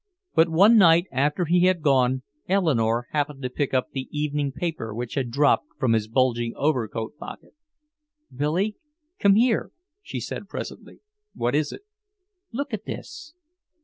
But one night after he had gone, Eleanore happened to pick up the evening paper which had dropped from his bulging overcoat pocket. "Billy, come here," she said presently. "What is it?" "Look at this."